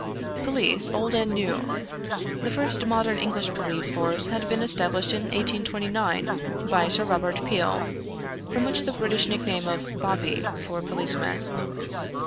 {police, old and new = the first modern English police force had been established in 1829 by Sir Robert Peel from which the British nickname of "bobby" for policeman.